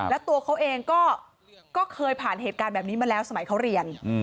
แล้วตัวเขาเองก็เคยผ่านเหตุการณ์แบบนี้มาแล้วสมัยเขาเรียน